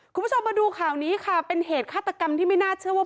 คุณผู้ชมมาดูข่าวนี้ค่ะเป็นเหตุฆาตกรรมที่ไม่น่าเชื่อว่า